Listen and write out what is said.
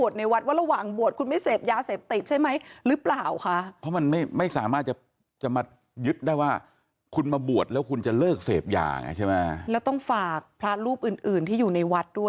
แต่อันนี้มิวเลนท์มองว่ามันน่าสังเกตตรงที่คือ